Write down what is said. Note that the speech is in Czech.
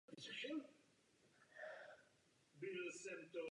Další velké poničení způsobily německé jednotky za druhé světové války.